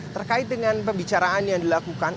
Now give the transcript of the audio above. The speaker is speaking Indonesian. terkait dengan pembicaraan yang dilakukan